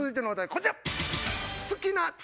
こちら！